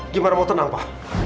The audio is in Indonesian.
gimana mau tenang pak